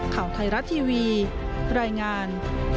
ข่าวไทยรัฐทีวีรายงาน